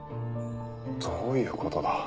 どういうことだ？